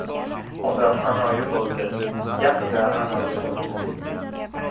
Odam anoyi bo‘ldi, gapida anoyi bo‘ldi: